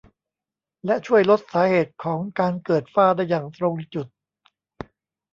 และช่วยลดสาเหตุของการเกิดฝ้าได้อย่างตรงจุด